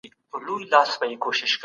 جزيه د اسلام د عدالت يوه نمونه ده.